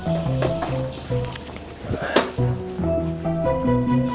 aku sudah setia